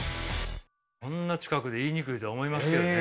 こんな近くで言いにくいとは思いますけどね。